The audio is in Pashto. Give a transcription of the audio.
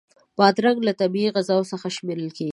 بادرنګ له طبعی غذاوو څخه شمېرل کېږي.